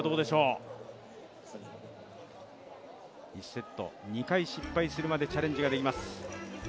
１セット２回失敗するまでチャレンジができます。